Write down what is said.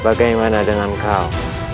bagaimana dengan kau